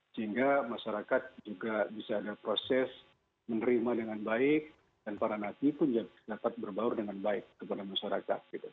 sehingga masyarakat juga bisa ada proses menerima dengan baik dan para napi pun dapat berbaur dengan baik kepada masyarakat